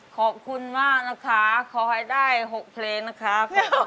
ขอบคุณมากนะคะขอให้ได้๖เพลงนะคะ